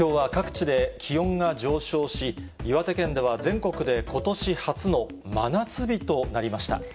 きょうは各地で気温が上昇し、岩手県では全国でことし初の真夏日となりました。